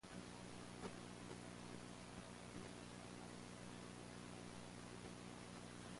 Dillman played a similar role, Captain Briggs, in "Sudden Impact".